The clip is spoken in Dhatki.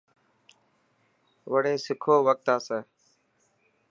وڙي سکو وقت آسي.